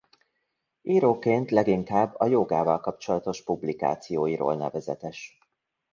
Íróként leginkább a jógával kapcsolatos publikációiról nevezetes.